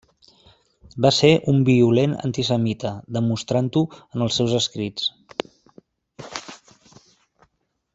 Va ser un violent antisemita, demostrant-ho en els seus escrits.